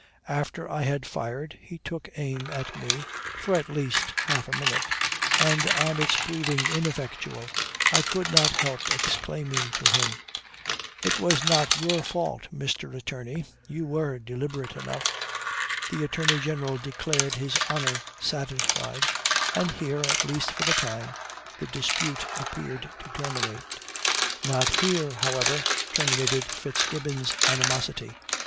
After I had fired, he took aim at me for at least half a minute; and on its proving ineffectual, I could not help exclaiming to him, 'It was not your fault, Mr. Attorney; you were deliberate enough,'" The Attorney General declared his honor satisfied; and here, at least for the time, the dispute appeared to terminate. Not here, however, terminated Fitzgibbon's animosity.